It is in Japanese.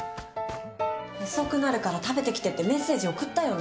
遅くなるから食べてきてってメッセージ送ったよね。